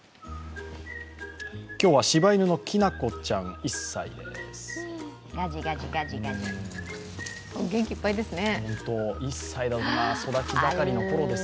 今日は柴犬のきなこちゃん、１歳です。